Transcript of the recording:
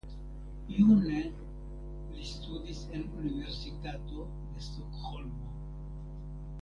June li studis en Universitato de Stokholmo.